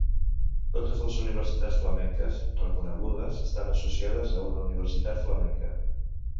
Totes les universitats flamenques reconegudes estan associades a una universitat flamenca.